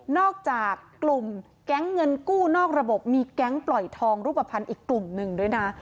อกจากกลุ่มแก๊งเงินกู้นอกระบบมีแก๊งปล่อยทองรูปภัณฑ์อีกกลุ่มหนึ่งด้วยนะ